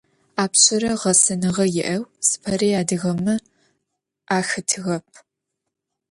Apşsere ğesenığe yi'eu zıpari adıgeme axetığep.